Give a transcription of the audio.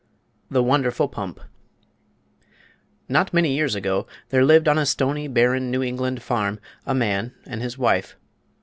THE WONDERFUL PUMP Not many years ago there lived on a stony, barren New England farm a man and his wife.